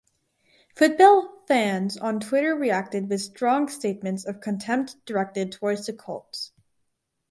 Football fans on Twitter reacted with strong statements of contempt directed toward the Colts.